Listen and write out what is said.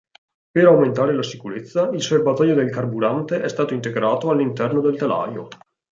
Per aumentare la sicurezza, il serbatoio del carburante è stato integrato all'interno del telaio.